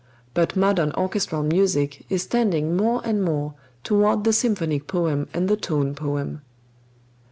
But modern orchestral music is tending more and more toward the symphonic poem and the tone poem.